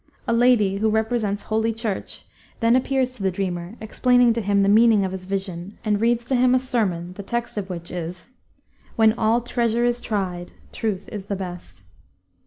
A lady, who represents holy Church, then appears to the dreamer, explains to him the meaning of his vision, and reads him a sermon the text of which is, "When all treasure is tried, truth is the best."